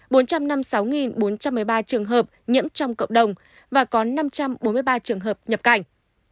bốn trăm năm mươi sáu bốn trăm một mươi ba trường hợp nhiễm trong cộng đồng và có năm trăm bốn mươi ba trường hợp nhập cảnh